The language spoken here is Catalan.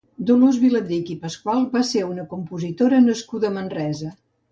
Dolors Viladrich i Pascual va ser una compositora nascuda a Manresa.